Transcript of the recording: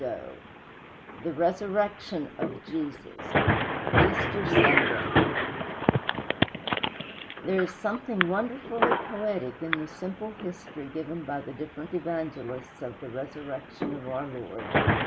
XXIX THE RESURRECTION OF JESUS Easter Sunday There is something wonderfully poetic in the simple history given by the different Evangelists of the resurrection of our Lord.